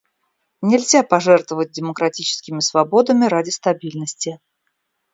Нельзя пожертвовать демократическими свободами ради стабильности.